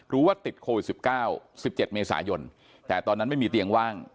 ว่าติดโควิด๑๙๑๗เมษายนแต่ตอนนั้นไม่มีเตียงว่าง